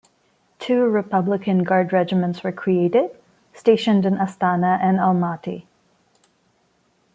Two Republican Guard regiments were created, stationed in Astana and Almaty.